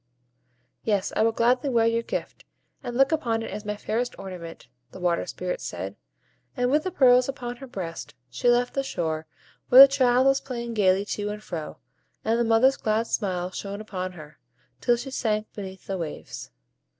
"Yes, I will gladly wear your gift, and look upon it as my fairest ornament," the Water Spirit said; and with the pearls upon her breast, she left the shore, where the child was playing gayly to and fro, and the mother's glad smile shone upon her, till she sank beneath the waves.